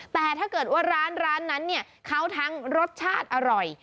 แต่ถ้าเกิดว่าร้านนั้นเนี่ยเขาทั้งรสชาติอร่อย